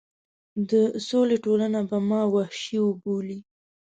د سولې ټولنه به ما وحشي وبولي.